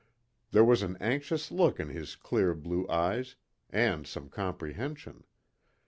There was an anxious look in his clear blue eyes, and some comprehension.